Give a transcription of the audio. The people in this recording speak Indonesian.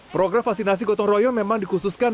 program vaksinasi gotong royong memang dikhususkan